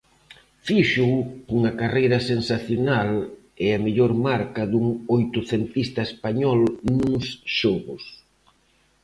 Fíxoo cunha carreira sensacional e a mellor marca dun oitocentista español nuns Xogos.